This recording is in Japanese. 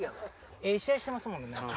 ええ試合してますもん。